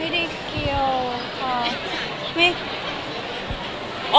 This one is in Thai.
ไม่ได้เกี่ยว